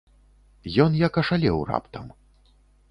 Ён як ашалеў раптам.